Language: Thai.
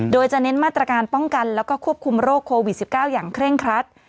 โดยจะเน้นมาตรการป้องกันแล้วก็ควบคุมโรคโควิด๑๙อย่างเคร่งครัด